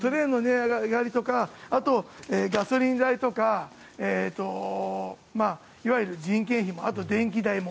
あと、ガソリン代とかいわゆる人件費もあと、電気代も。